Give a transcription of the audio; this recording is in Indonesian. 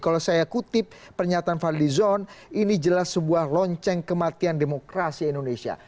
kalau saya kutip pernyataan fadli zon ini jelas sebuah lonceng kematian demokrasi indonesia